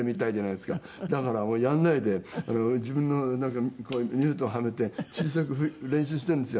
だからもうやらないで自分のなんかミュートをはめて小さく練習しているんですよ。